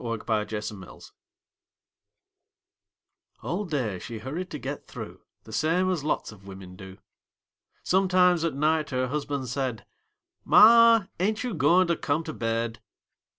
_ MIS' SMITH All day she hurried to get through, The same as lots of wimmin do; Sometimes at night her husban' said, "Ma, ain't you goin' to come to bed?"